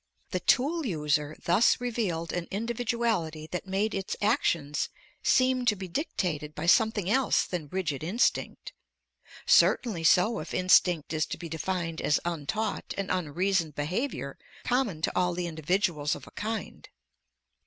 The tool user thus revealed an individuality that made its actions seem to be dictated by something else than rigid instinct; certainly so if instinct is to be defined as untaught and unreasoned behavior common to all the individuals of a kind.